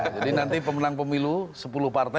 jadi nanti pemenang pemilu sepuluh partai